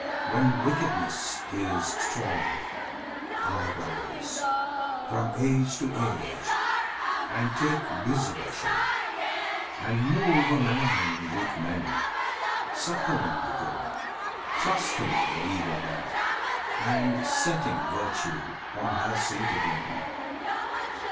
when Wickedness Is strong, I rise, from age to age, and take Visible shape, and move a man with men, Succouring the good, thrusting the evil back, And setting Virtue on her seat again.